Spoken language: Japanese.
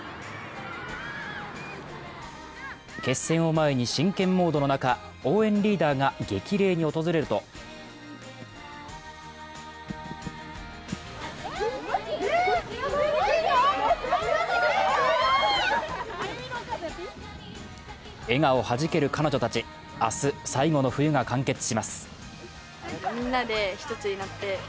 決戦を前に真剣モードの中、応援リーダーが激励に訪れると笑顔はじける彼女たち、明日、最後の冬が完結します。